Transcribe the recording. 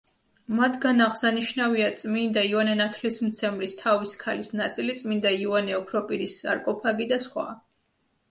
მათგან აღსანიშნავია წმინდა იოანე ნათლისმცემლის თავის ქალის ნაწილი, წმიდა იოანე ოქროპირის სარკოფაგი და სხვა.